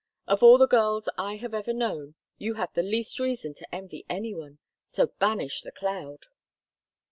Of all the girls I have ever known you have the least reason to envy any one—so banish the cloud!"